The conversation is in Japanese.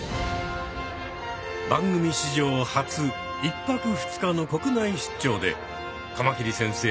番組史上初１泊２日の国内出張でカマキリ先生